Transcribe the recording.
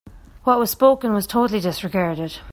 What was spoken was totally disregarded.